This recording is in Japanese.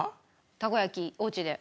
たこ焼きおうちで。